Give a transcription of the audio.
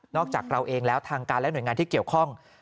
จากเราเองแล้วทางการและหน่วยงานที่เกี่ยวข้อง